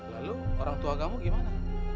lalu orang tua kamu gimana